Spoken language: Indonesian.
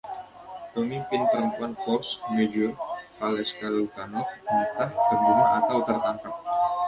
Pemimpin perempuan Force Majeure, Valeska Lukanov, entah terbunuh atau tertangkap.